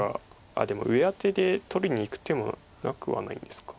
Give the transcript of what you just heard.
あっでも上アテで取りにいく手もなくはないんですか。